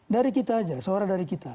dari kita saja seorang dari kita